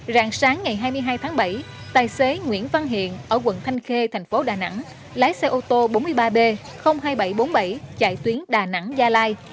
rạng sáng ngày hai mươi hai tháng bảy tài xế nguyễn văn hiện ở quận thanh khê thành phố đà nẵng lái xe ô tô bốn mươi ba b hai nghìn bảy trăm bốn mươi bảy chạy tuyến đà nẵng gia lai